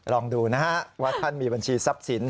ลองดูนะฮะว่าท่านมีบัญชีทรัพย์สิน